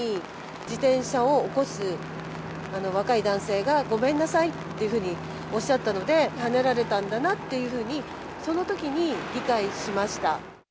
自転車を起こす若い男性がごめんなさいっていうふうにおっしゃったので、はねられたんだなというふうに、そのときに理解しました。